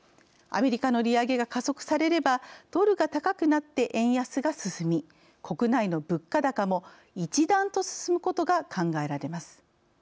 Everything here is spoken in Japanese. アメリカの利上げが加速されればドルが高くなって円安が進み国内の物価高も一段と進むことが考えられます。